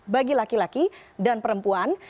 bagi laki laki dan perempuan